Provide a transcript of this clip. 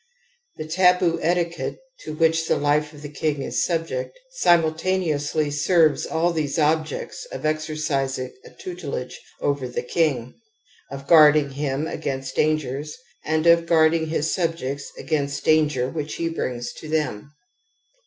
The taboo etiquette, to which the life of the king is sub j feet, simultaneously serves all these objects of exercising a tutelage over the king, of guarding him against dangers and of guarding his subjects against danger which he brings to them.